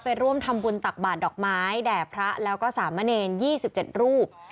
เป็นร่วมธรรมบุญตักบาตรดอกไม้แด่พระแล้วก็สามเมนียี่สิบเจ็ดรูป